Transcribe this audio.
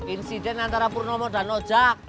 insiden antara purnomo dan oja